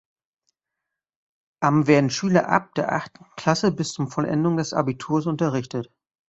Am werden Schüler ab der achten Klasse bis zum Vollendung des Abiturs unterrichtet.